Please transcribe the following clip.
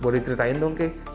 boleh diteritain dong kek